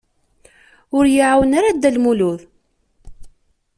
Ur y-iɛawen ara Dda Lmulud.